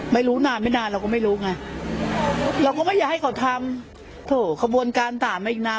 ไม่รู้นานไม่นานเราก็ไม่รู้ไงเราก็ไม่อยากให้เขาทำโถขบวนการถามมาอีกนาน